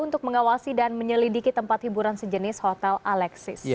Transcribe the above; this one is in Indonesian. untuk mengawasi dan menyelidiki tempat hiburan sejenis hotel alexis